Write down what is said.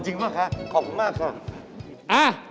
จริงหรือเปล่าค่ะขอบคุณมากค่ะ